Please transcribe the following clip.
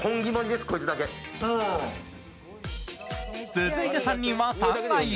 続いて３人は３階へ。